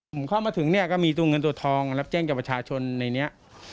ผมเข้ามาถึงเนี่ยก็มีตัวเงินตัวทองรับแจ้งจากประชาชนในนี้